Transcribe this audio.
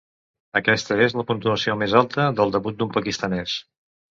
Aquesta és la puntuació més alta del debut d'un pakistanès.